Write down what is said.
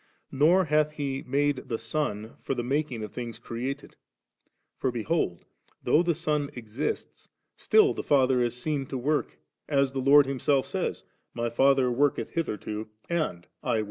Nor hath He made the Son for the making of things created ; for behold, though the Son eidsts, still 3 the Father is seen to work, as the Lord Himself says, 'My Father worketh hitherto and I work^* II «f4, notes.